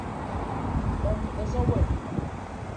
Tom d aẓawali.